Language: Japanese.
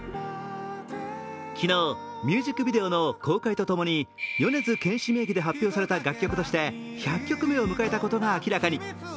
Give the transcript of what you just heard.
昨日、ミュージックビデオの公開とともに米津玄師名義で発表された楽曲として１００曲目を迎えたことが明らかに。